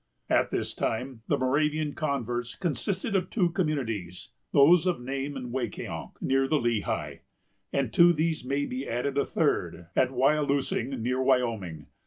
At this time, the Moravian converts consisted of two communities, those of Nain and Wecquetank, near the Lehigh; and to these may be added a third, at Wyalusing, near Wyoming.